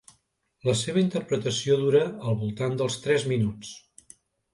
La seva interpretació dura al voltant dels tres minuts.